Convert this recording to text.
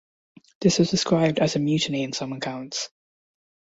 This was described as a mutiny in some accounts.